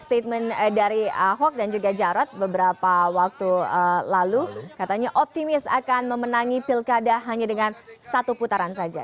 statement dari ahok dan juga jarot beberapa waktu lalu katanya optimis akan memenangi pilkada hanya dengan satu putaran saja